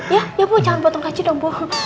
ya ibu jangan potong gaji dong